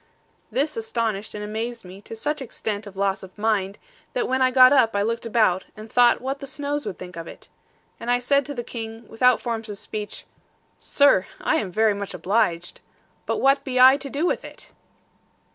This astonished and amazed me to such extent of loss of mind, that when I got up I looked about, and thought what the Snowes would think of it. And I said to the King, without forms of speech, 'Sir, I am very much obliged. But what be I to do with it?'